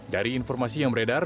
dari informasi yang beredar